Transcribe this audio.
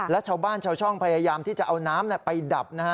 และชาวบ้านชาวช่องพยายามที่จะเอาน้ำไปดับนะฮะ